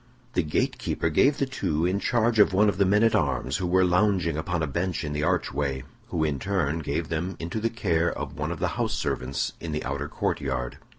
The gate keeper gave the two in charge of one of the men at arms who were lounging upon a bench in the archway, who in turn gave them into the care of one of the house servants in the outer court yard.